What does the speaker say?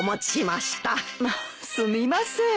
まあすみません。